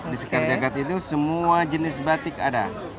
di sekar jagad itu semua jenis batik ada